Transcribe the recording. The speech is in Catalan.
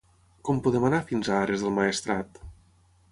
Com podem anar fins a Ares del Maestrat?